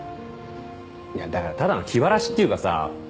いやだからただの気晴らしっていうかさ